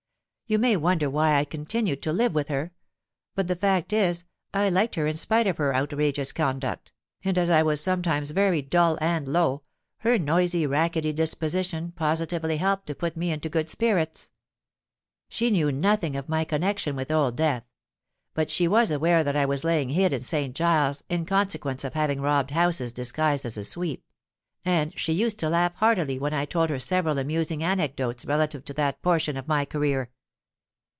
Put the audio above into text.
You may wonder why I continued to live with her: but the fact is, I liked her in spite of her outrageous conduct, and as I was sometimes very dull and low, her noisy, rackety disposition positively helped to put me into good spirits. She knew nothing of my connexion with Old Death; but she was aware that I was laying hid in St. Giles's in consequence of having robbed houses disguised as a sweep; and she used to laugh heartily when I told her several amusing anecdotes relative to that portion of my career.